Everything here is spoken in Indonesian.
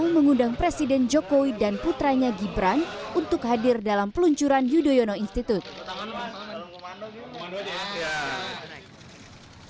mengundang presiden jokowi dan putranya gibran untuk hadir dalam peluncuran yudhoyono institute